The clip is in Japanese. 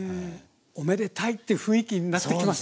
おめでたいって雰囲気になってきますね。